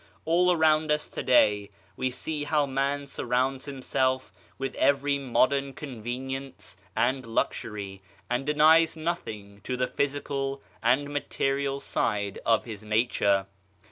All around us to day we see how man surrounds himself with every modern convenience and luxury, and denies nothing to the physical and material side of his nature.